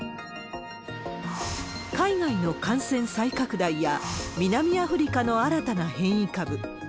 海外の感染再拡大や南アフリカの新たな変異株。